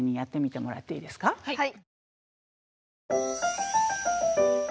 はい！